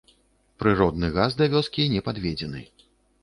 Прыродны газ да вёскі не падведзены.